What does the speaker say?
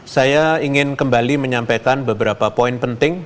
saya ingin kembali menyampaikan beberapa poin penting